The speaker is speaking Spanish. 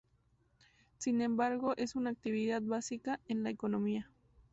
Sin embargo es una actividad básica en la economía.